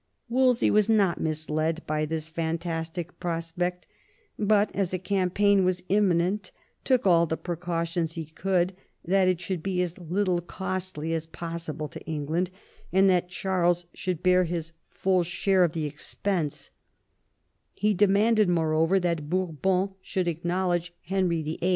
Wolsey was not misled by this fantastic prospect^ but as a campaign was imminent^ took all the precautions he could that it should be as little costly as possible to England, and that Charles should bear his full share of VI THE IMPERIAL ALLIANCE 96 the expense He demanded, moreover, that Bourbon should acknowledge Henry VHI.